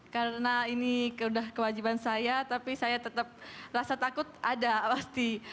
karena ini sudah kewajiban saya tapi saya tetap rasa takut ada pasti